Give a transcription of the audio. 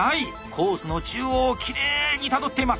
コースの中央をきれいにたどっています。